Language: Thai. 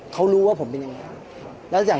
เขารู้ว่าผมเป็นยังไงครับ